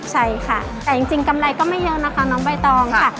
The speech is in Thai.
ใช่ค่ะแต่จริงกำไรก็ไม่เยอะนะคะน้องใบตองค่ะ